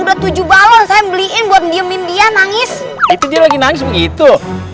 udah tujuh balon saya beliin buat diemin dia nangis itu dia lagi nangis begitu